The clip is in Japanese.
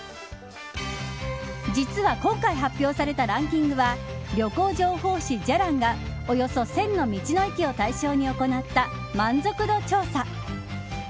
実は今回発表されたランキングは旅行情報誌、じゃらんがおよそ１０００の道の駅を対象に行った満足度調査。